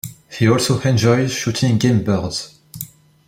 He also enjoys shooting game-birds.